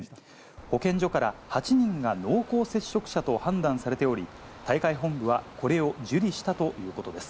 保健所から、８人が濃厚接触者と判断されており、大会本部はこれを受理したということです。